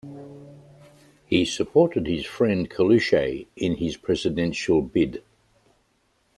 He supported his friend Coluche in his presidential bid.